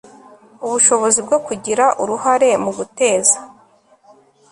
ubushobozi bwo kugira uruhare mu guteza